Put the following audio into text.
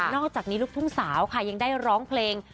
อกจากนี้ลูกทุ่งสาวค่ะยังได้ร้องเพลง